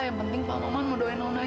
yang penting pak maman mau doain nona